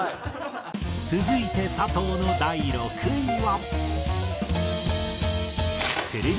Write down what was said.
続いて佐藤の６位は。